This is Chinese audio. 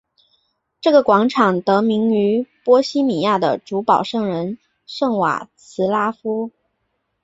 这个广场得名于波希米亚的主保圣人圣瓦茨拉夫。